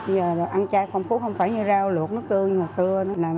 giờ ăn chay phong phú không phải như rau luộc nước tương như hồi xưa